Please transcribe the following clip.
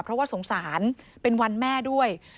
เพราะว่าสงสารเป็นวันแม่ด้วย